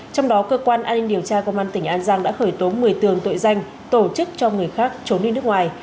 trong đó cơ quan an ninh điều tra công an tỉnh an giang đã khởi tố một mươi tường tội danh tổ chức cho người khác trốn đi nước ngoài